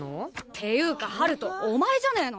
ていうか陽翔お前じゃねえの？